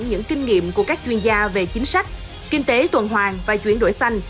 những kinh nghiệm của các chuyên gia về chính sách kinh tế tuần hoàng và chuyển đổi xanh